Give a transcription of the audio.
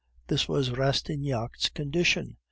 This was Rastignac's condition.